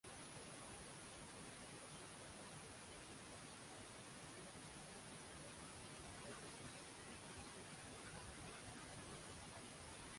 চমৎকার বাঁধার প্রাচীর গড়ে তুলে রান নিতে ব্যাটসম্যানদেরকে নিরুৎসাহিত করতেন, দ্রুত ও সঠিকভাবে রান আউটে ভূমিকা রাখতেন।